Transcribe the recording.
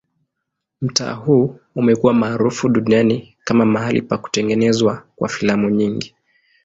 Mtaa huu umekuwa maarufu duniani kama mahali pa kutengenezwa kwa filamu nyingi.